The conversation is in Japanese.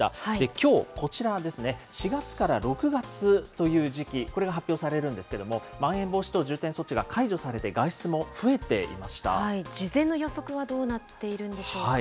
きょう、こちらですね、４月から６月という時期、これが発表されるんですけれども、まん延防止等重点措置が解除されて、事前の予測はどうなっているんでしょうか。